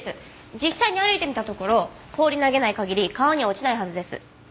実際に歩いてみたところ放り投げない限り川には落ちないはずです。